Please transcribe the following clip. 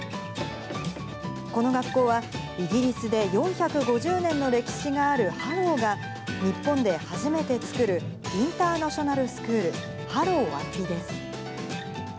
この学校は、イギリスで４５０年の歴史があるハロウが、日本で初めて作るインターナショナルスクール、ハロウ安比です。